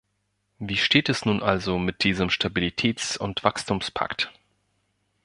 Wie steht es nun also mit diesem Stabilitäts- und Wachstumspakt?